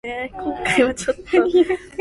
黑警還眼